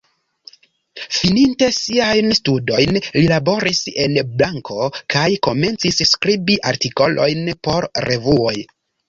Fininte siajn studojn, li laboris en banko kaj komencis skribi artikolojn por revuoj.